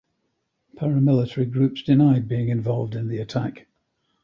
Paramilitary groups denied being involved in the attack.